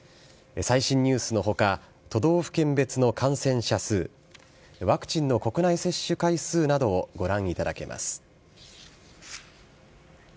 最新ニュースのほか、都道府県別の感染者数、ワクチンの国内接種回数などをご覧いただけます。